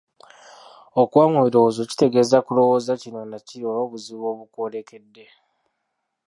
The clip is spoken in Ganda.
Okuba mu birowoozo kitegeeza kulowooza kino na kiri olw'obuzibu obukwolekedde